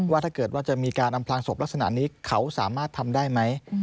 ว่าถ้าเกิดว่าจะมีการอำพลางศพลักษณะนี้เขาสามารถทำได้ไหม